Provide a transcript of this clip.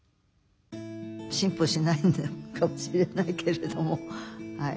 進歩しないのかもしれないけれどもはい。